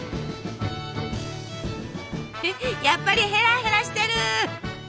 やっぱりへらへらしてる！